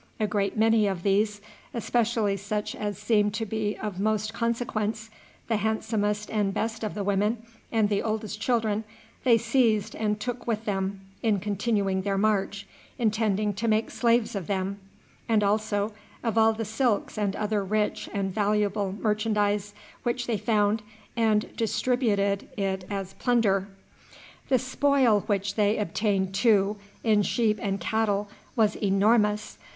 A great many of these, especially such as seemed to be of most consequence, the handsomest and best of the women, and the oldest children, they seized and took with them in continuing their march, intending to make slaves of them. They also took possession of all the gold and silver, and also of all the silks and other rich and valuable merchandise which they found, and distributed it as plunder. The spoil which they obtained, too, in sheep and cattle, was enormous.